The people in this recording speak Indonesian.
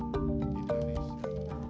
peri warjio juga menunjukkan